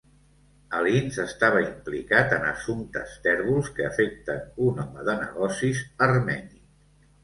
Alins estava implicat en assumptes tèrbols que afecten un home de negocis armeni.